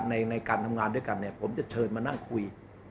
ในการทำงานด้วยกันเนี่ยผมจะเชิญมานั่งคุย